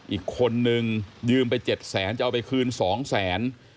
อีกคนนึงยืมไป๗แสนจะเอาไปคืน๒แสน